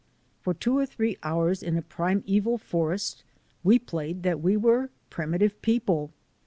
For two or three hours in a primeval forest we played that we were primitive people.